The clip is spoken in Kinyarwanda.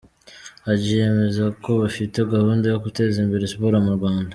Hadji yemeza ko bafite gahunda yo guteza imbere Siporo mu Rwanda.